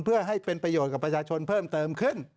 เพื่อให้เป็นประโยชน์กับประชาชนเพิ่มเติมขึ้น